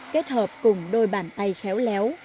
kết hợp cùng đôi bàn tay khéo léo